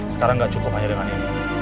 sekarang nggak cukup hanya dengan ini